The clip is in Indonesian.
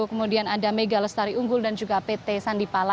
kemudian ada megalestari unggul dan juga pt sandipan